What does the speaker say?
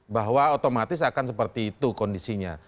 bahwa otomatis akan seperti itu kondisinya